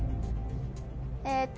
えっと。